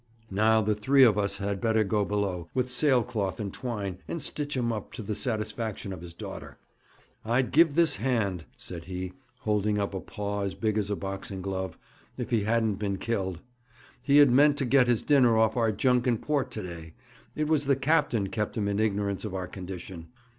Now, the three of us had better go below, with sail cloth and twine, and stitch him up to the satisfaction of his daughter. I'd give this hand,' said he, holding up a paw as big as a boxing glove, 'if he hadn't been killed. He had meant to get his dinner off our junk and pork to day. It was the captain kept him in ignorance of our condition.'